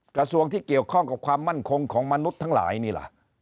กระทรวงที่เกี่ยวข้องกับความมั่นคงของมนุษย์ทั้งหลายนี่ล่ะ